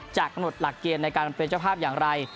กำหนดหลักเกณฑ์ในการเป็นเจ้าภาพอย่างไร